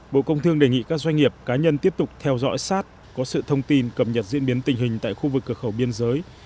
bộ công thương đề nghị các doanh nghiệp cá nhân tiếp tục theo dõi sát có sự thông tin cập nhật diễn biến tình hình tại khu vực cửa khẩu biên giới